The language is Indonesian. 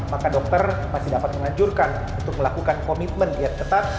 maka dokter masih dapat menganjurkan untuk melakukan komitmen diet ketat